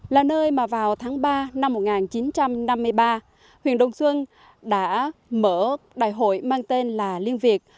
là nơi mà vào tháng ba năm một nghìn chín trăm năm mươi ba huyện đồng xuân đã mở đại hội mang tên là liên việt